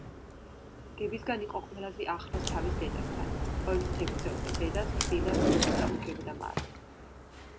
დებისგან იყო ყველაზე ახლოს თავის დედასთან, ყოველთვის ექცეოდა დედას თბილად და უგებდა მას.